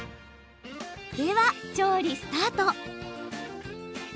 では、調理スタート。